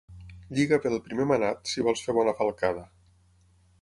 Lliga bé el primer manat si vols fer bona falcada.